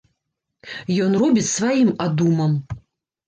Ён робіць сваім адумам.